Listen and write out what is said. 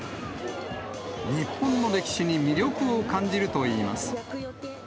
日本の歴史に魅力を感じるといいます。